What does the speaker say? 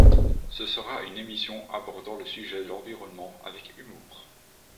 Ce sera une émission abordant le sujet de l'environnement avec humour.